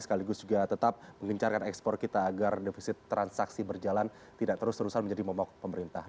sekaligus juga tetap mengencarkan ekspor kita agar defisit transaksi berjalan tidak terus terusan menjadi momok pemerintah